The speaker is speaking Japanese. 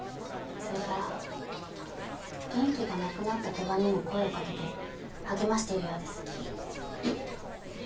それから元気がなくなった鳥羽にも声を掛けて励ましているようです。